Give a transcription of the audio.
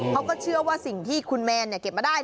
เขาก็เชื่อว่าสิ่งที่คุณแมนเก็บมาได้